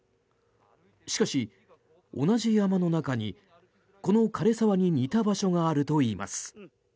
しかし、同じ山の中にこの枯れ沢に似た場所があるといいます。